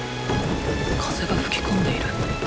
風が吹き込んでいる。